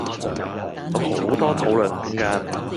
有好多討論空間